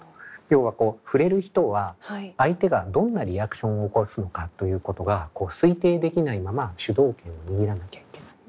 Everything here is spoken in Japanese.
要はふれる人は相手がどんなリアクションを起こすのかということが推定できないまま主導権を握らなきゃいけない。